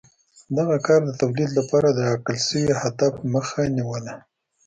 دغه کار د تولید لپاره د ټاکل شوي هدف مخه نیوله